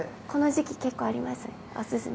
この時期結構あります？